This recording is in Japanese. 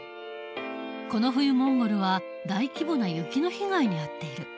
この冬モンゴルは大規模な雪の被害に遭っている。